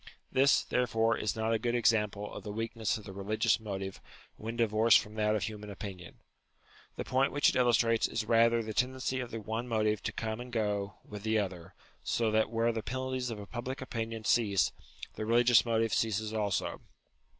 This, there fore, is not a good example of the weakness of the religious motive when divorced from that of human opinion. The point which it illustrates is rather the tendency of the one motive to come and go with the other, so that where the penalties of public opinion cease, the religious motive ceases also.